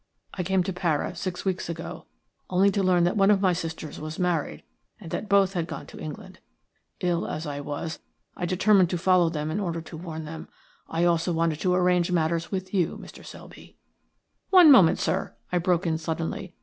I came to Para six weeks ago, only to learn that one of my sisters was married and that both had gone to England. Ill as I was, I determined to follow them in order to warn them. I also wanted to arrange matters with you, Mr. Selby." "One moment, sir," I broke in, suddenly.